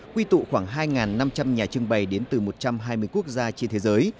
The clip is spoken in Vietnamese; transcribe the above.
quy tụ khoảng hai năm trăm linh nhà trưng bày đến từ một trăm hai mươi quốc gia trên thế giới